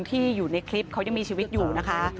ที่อยู่ในคลิปเขายังมีชีวิตอยู่นะคะ